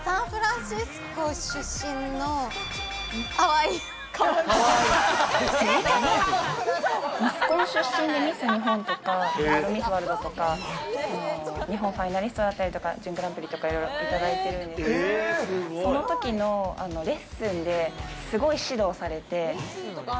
ミスコン出身で、ミス日本とかミス・ワールドとか、日本ファイナリストだったりとか、準グランプリだったりとか、色々いただいてるんですけど、その時のレッスンで、すごい指導されて。